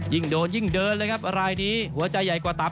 ยิ่งโดนยิ่งเดินเลยครับรายนี้หัวใจใหญ่กว่าต่ำ